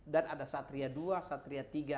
dan ada satria dua satria tiga